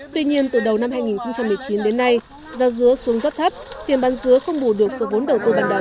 tuy nhiên từ đầu năm hai nghìn một mươi chín đến nay giá dứa xuống rất thấp tiền bán dứa không bù được số vốn đầu tư ban đầu